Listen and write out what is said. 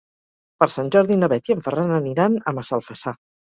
Per Sant Jordi na Bet i en Ferran aniran a Massalfassar.